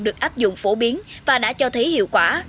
được áp dụng phổ biến và đã cho thấy hiệu quả